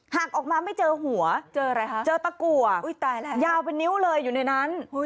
หากออกมาไม่เจอหัวเจอตากั่วยาวเป็นนิ้วเลยอยู่ในนั้น